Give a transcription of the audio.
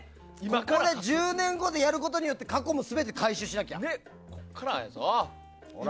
ここで１０年後でやることによって過去も全て回収しなきゃ。